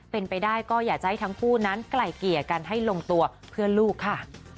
เป็นไปได้ก็อยากจะให้ทั้งคู่นั้นไกล่เกลี่ยกันให้ลงตัวเพื่อลูกค่ะ